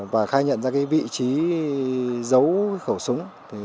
và khai nhận ra vị trí giấu khẩu súng